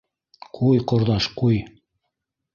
— Ҡуй, ҡорҙаш, ҡуй.